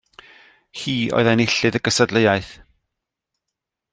Hi oedd enillydd y gystadleuaeth.